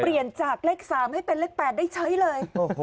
เปลี่ยนจากเลข๓ให้เป็นเลข๘ได้ใช้เลย